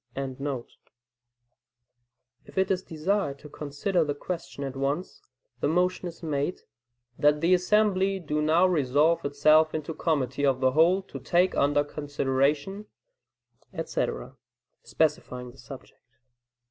] If it is desired to consider the question at once, the motion is made, "That the assembly do now resolve itself into a committee of the whole to take under consideration," etc., specifying the subject.